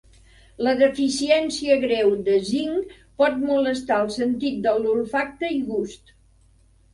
La deficiència greu de zinc pot molestar el sentit de l'olfacte i gust.